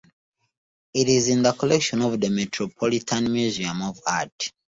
It is in the collection of the Metropolitan Museum of Art.